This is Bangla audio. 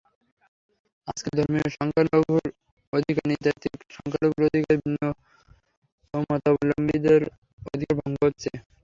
আজকে ধর্মীয় সংখ্যালঘুর অধিকার, নৃতাত্ত্বিক সংখ্যালঘুর অধিকার, ভিন্নমতাবলম্বীর অধিকার ভঙ্গ হচ্ছে।